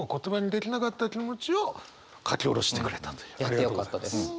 やってよかったです。